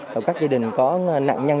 và các gia đình có nạn nhân